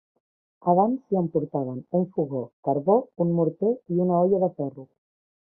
Abans s’hi emportaven un fogó, carbó, un morter i una olla de ferro.